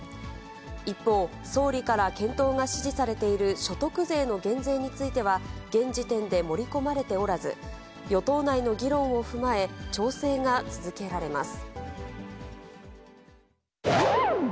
一方、総理から検討が指示されている所得税の減税については、現時点で盛り込まれておらず、与党内の議論を踏まえ、調整が続けられます。